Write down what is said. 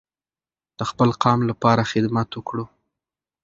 د خپل قام لپاره خدمت وکړو.